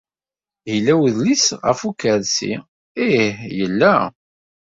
Yella wedlis ɣef ukersi? Ih, yella.